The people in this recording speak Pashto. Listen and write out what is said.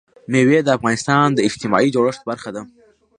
مېوې د افغانستان د اجتماعي جوړښت برخه ده.